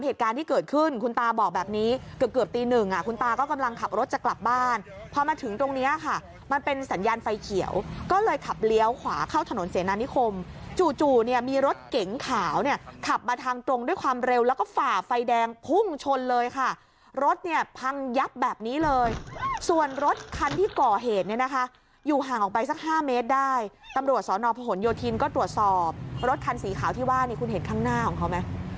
ตรงเนี้ยค่ะมันเป็นสัญญาณไฟเขียวก็เลยขับเลี้ยวขวาเข้าถนนเสนานิคมจู่จู่เนี้ยมีรถเก๋งขาวเนี้ยขับมาทางตรงด้วยความเร็วแล้วก็ฝ่าไฟแดงพุ่งชนเลยค่ะรถเนี้ยพังยับแบบนี้เลยส่วนรถคันที่ก่อเหตุเนี้ยนะคะอยู่ห่างออกไปสักห้าเมตรได้ตำรวจสอนอพหลโยธินก็ตรวจสอบรถคันสีขาวที่ว่านี่